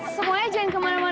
semuanya jangan kemana mana